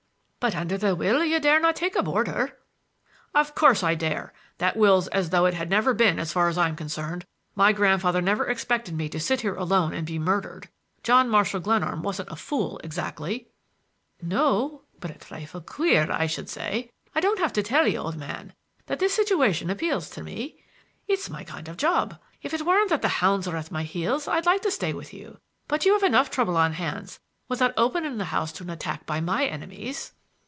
"But under the will you dare not take a boarder." "Of course I dare! That will's as though it had never been as far as I'm concerned. My grandfather never expected me to sit here alone and be murdered. John Marshall Glenarm wasn't a fool exactly!" "No, but a trifle queer, I should say. I don't have to tell you, old man, that this situation appeals to me. It's my kind of a job. If it weren't that the hounds are at my heels I'd like to stay with you, but you have enough trouble on hands without opening the house to an attack by my enemies."